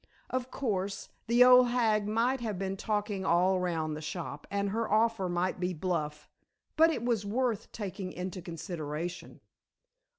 Of course, the old hag might have been talking all round the shop, and her offer might be bluff, but it was worth taking into consideration.